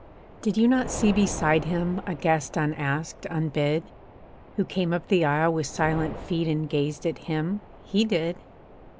Did you not see beside him A guest unasked, unbid? Who came up the aisle with silent feet And gazed at him? he did!